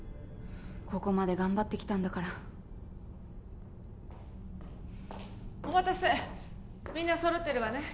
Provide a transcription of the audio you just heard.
ここまで頑張ってきたんだからお待たせみんな揃ってるわね？